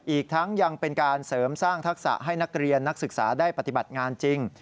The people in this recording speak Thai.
อีกทั้งยังเป็นการเสริมสร้างทักษะให้นักเรียนนักศึกษาได้ปฏิบัติงานจริง